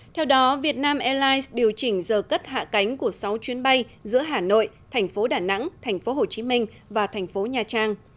theo đó việt nam airlines điều chỉnh giờ cất hạ cánh của sáu chuyến bay giữa hà nội thành phố đà nẵng thành phố hồ chí minh và thành phố nha trang